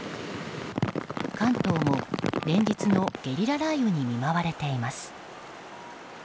関東も連日のゲリラ雷雨に見舞われています。